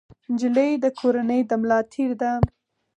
نجلۍ د کورنۍ د ملا تیر دی.